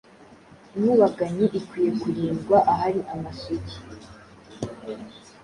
Inkubaganyi ikwiye kurindwa ahari amasugi